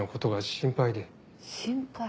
心配？